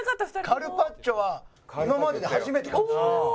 カルパッチョは今までで初めてかもしれないです。